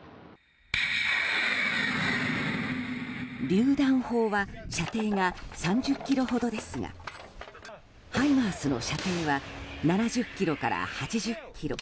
りゅう弾砲は射程が３０ｋｍほどですがハイマースの射程は７０ｋｍから８０ｋｍ。